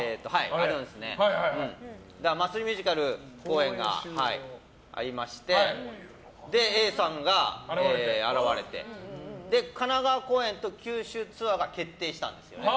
「マッスルミュージカル」公演がありましてＡさんが現れて神奈川公演と九州ツアーが決定したんですよ。